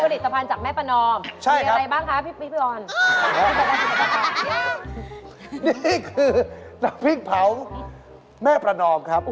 นี่คือน้ำพริกเผาแม่ประนอมครับ